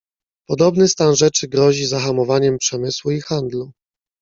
"Podobny stan rzeczy grozi zahamowaniem przemysłu i handlu."